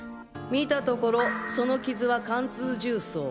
見たところその傷は貫通銃創。